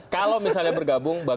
kalau misalnya bergabung